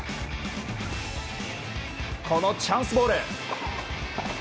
このチャンスボール。